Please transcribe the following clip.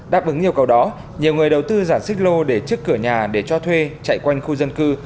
đáp ứng yêu cầu đó nhiều người đầu tư giả xích lô để trước cửa nhà để cho thuê chạy quanh khu dân cư